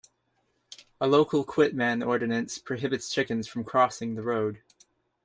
A local Quitman ordinance prohibits chickens from crossing the road.